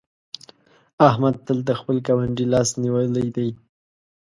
احمد تل د خپل ګاونډي لاس نيولی دی.